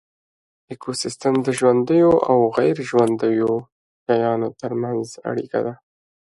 ایکوسیستم د ژوندیو او غیر ژوندیو شیانو ترمنځ اړیکه ده